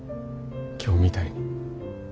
今日みたいに。